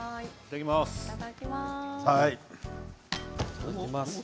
いただきます。